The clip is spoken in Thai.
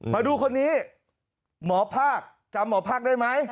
มาดูคนนี้หมอภาคจำหมอภาคได้ไหม